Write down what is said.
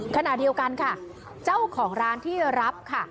ขณะเดียวกันค่ะเจ้าของร้านที่รับค่ะ